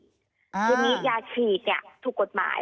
ทีนี้ยาฉีดเนี่ยถูกกฎหมาย